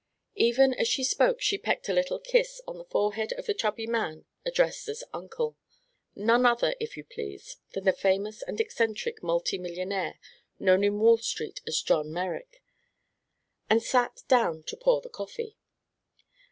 Even as she spoke she pecked a little kiss on the forehead of the chubby man addressed as "Uncle" none other, if you please, than the famous and eccentric multi millionaire known in Wall Street as John Merrick and sat down to pour the coffee.